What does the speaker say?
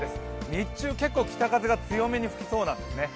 日中、結構北風が強めに吹きそうなんですね。